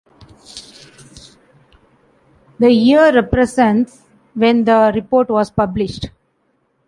The year represents when the report was published.